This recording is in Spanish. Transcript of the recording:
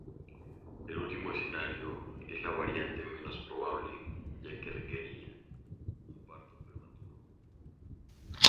El último escenario es la variante menos probable, ya que requeriría un parto prematuro.